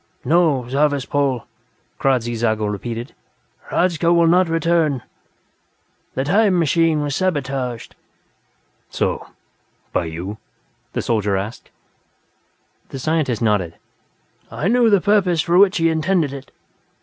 "No, Zarvas Pol," Kradzy Zago repeated. "Hradzka will not return; the 'time machine' was sabotaged." "So? By you?" the soldier asked. The scientist nodded. "I knew the purpose for which he intended it.